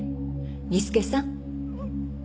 儀助さん。